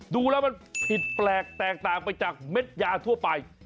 ดูแล้วมันผิดแปลกแตกต่างไปจากเม็ดยาทั่วไป